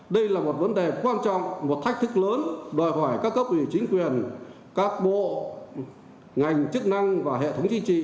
đây là một vấn đề quan trọng một thách thức lớn đòi hỏi các cấp ủy chính quyền các bộ ngành chức năng và hệ thống chính trị